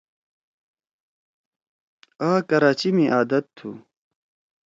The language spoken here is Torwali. آ کراچی می عادت تُھو۔